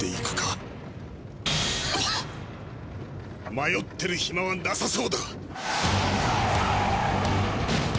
まよってるひまはなさそうだ。